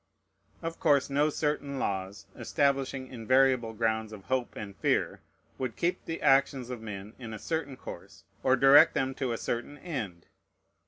Of course no certain laws, establishing invariable grounds of hope and fear, would keep the actions of men in a certain course, or direct them to a certain end.